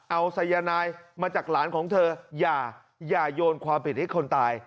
เอาสายนายมาจากหลานของเธออย่าโยนความผิดให้คนตาย